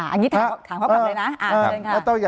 อันนี้ถามครับเลยนะอ่านเลยค่ะ